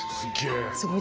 すげえ。